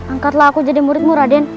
angkatlah aku jadi muridmu raden